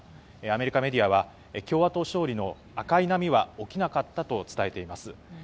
アメリカメディアは共和党勝利の赤い波は起きなかったと伝えています。